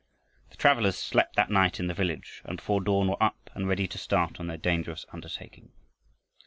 The travelers slept that night in the village, and before dawn were up and ready to start on their dangerous undertaking.